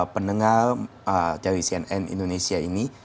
pendengar dari cnn indonesia ini